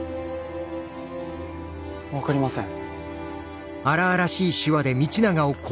分かりません。